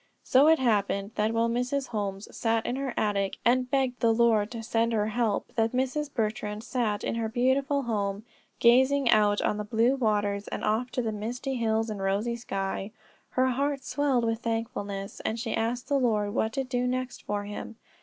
So it happened that while Mrs. Holmes sat in her attic, and begged the Lord to send her help, that Mrs. Bertrand sat in her beautiful home, gazing out on the blue waters, and off to the misty hills and rosy sky. Her heart swelled with thankfulness, and she asked the Lord what to do next for him.